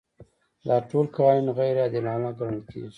دا ټول قوانین غیر عادلانه ګڼل کیږي.